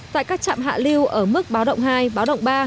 tại các trạm hạ liêu ở mức báo động hai báo động ba